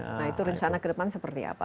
nah itu rencana ke depan seperti apa